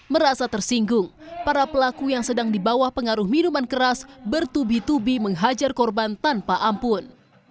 merasa tersinggung para pelaku yang sedang di bawah pengaruh minuman keras bertubi tubi menghajar korban tanpa ampun